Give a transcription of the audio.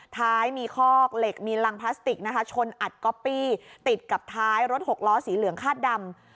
ท้ายมีคอกเหล็กมีรังพลาสติกนะคะชนอัดก๊อปปี้ติดกับท้ายรถหกล้อสีเหลืองคาดดำ